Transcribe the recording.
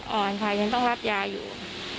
อ่อนค่ะยังต้องรับยาอยู่